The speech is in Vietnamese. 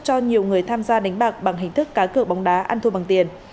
cho nhiều người tham gia đánh bạc bằng hình thức cá cửa bóng đá ăn thua bằng tiền